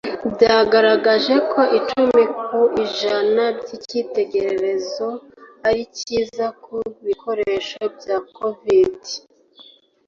byagaragaje ko icumi ku ijana by'icyitegererezo ari cyiza ku bikoresho bya covid,